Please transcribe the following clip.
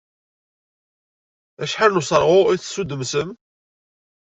Acḥal n useṛɣu i tessdemsem?